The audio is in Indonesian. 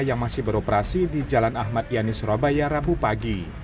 yang masih beroperasi di jalan ahmad yani surabaya rabu pagi